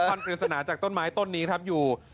พันธุ์เปรียบสนานจากต้นไม้ต้นนี้อยู่